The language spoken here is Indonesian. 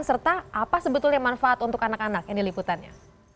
serta apa sebetulnya manfaat untuk anak anak yang diliputannya